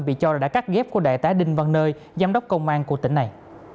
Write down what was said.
bị cho đã cắt ghép của đại tá đinh văn nơi giám đốc công an của tỉnh này